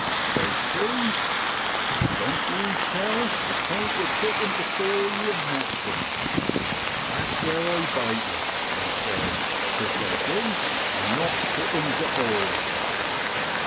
Says she, < Doan't yow tell (count) yer chickens afore yer hatch 'em.' Tha's whare I bate yer, I says, 'cos they're geese an' not chickens at all